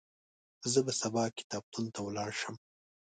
زه به سبا کتابتون ته ولاړ شم.